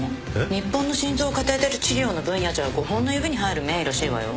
日本の心臓カテーテル治療の分野じゃ５本の指に入る名医らしいわよ。